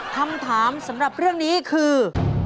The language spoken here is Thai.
คำถามสำหรับเรื่องนี้คือ